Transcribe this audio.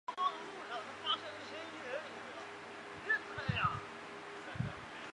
他长期担任鹿特丹国际电影节制作人以及柏林国际电影节的新闻官。